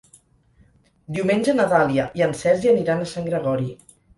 Diumenge na Dàlia i en Sergi aniran a Sant Gregori.